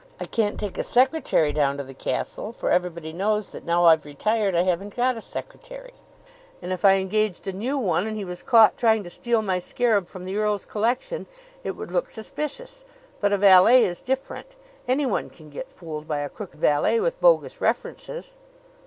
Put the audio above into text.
I can't take a secretary down to the castle, for everybody knows that, now I've retired, I haven't got a secretary; and if I engaged a new one and he was caught trying to steal my scarab from the earl's collection, it would look suspicious. But a valet is different. Anyone can get fooled by a crook valet with bogus references."